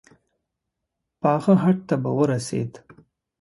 پاخه هډ ته به ورسېد.